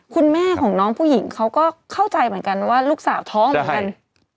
คุณแม่ของน้องผู้หญิงเขาก็เข้าใจเหมือนกันว่าลูกสาวท้องเหมือนกัน